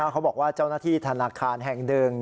เขาบอกว่าเจ้าหน้าที่ธนาคารแห่งหนึ่ง